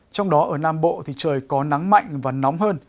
trong đó ở nam bộ thì trời có nắng mạnh và nóng hơn